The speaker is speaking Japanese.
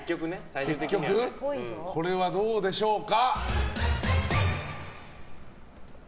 これはどうでしょうか。